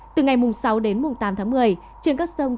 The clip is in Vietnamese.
từ ngày sáu đến tám tháng một mươi trên các sông